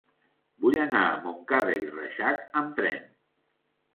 Vull anar a Montcada i Reixac amb tren.